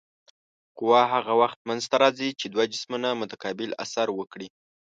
قوه هغه وخت منځته راځي چې دوه جسمونه متقابل اثر وکړي.